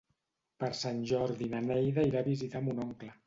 Per Sant Jordi na Neida irà a visitar mon oncle.